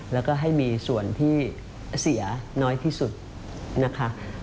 แล้วก็ให้มีส่วนที่เสียน้อยที่สุดนะคะ